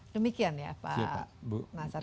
demikian ya pak nasar